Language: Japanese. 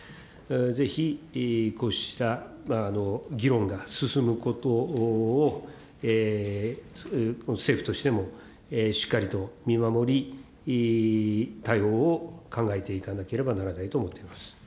ぜひ、こうした議論が進むことを政府としてもしっかりと見守り、対応を考えていかなければならないと思っています。